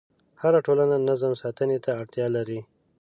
هره ټولنه نظم ساتنې ته اړتیا لري.